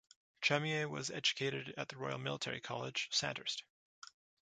Chamier was educated at the Royal Military College, Sandhurst.